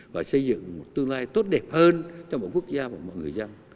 và xây dựng một tương lai tốt đẹp hơn cho mọi quốc gia và mọi người dân